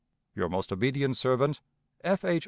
"Your most obedient servant, "F. H.